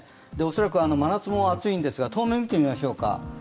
恐らく真夏も暑いんですが、当面を見てみましょうか。